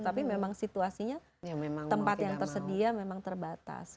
tapi memang situasinya tempat yang tersedia memang terbatas